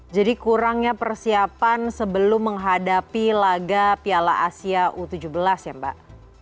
jadi kurangnya persiapan sebelum menghadapi laga piala asia u tujuh belas ya mbak